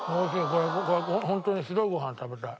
これホントに白いご飯食べたい。